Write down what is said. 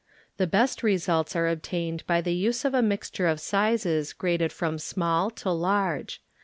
The best results are obtained by the use of a mixture of sizes graded from small to large.